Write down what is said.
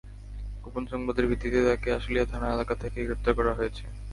গোপন সংবাদের ভিত্তিতেই তাঁকে আশুলিয়া থানা এলাকা থেকে গ্রেপ্তার করা হয়েছে।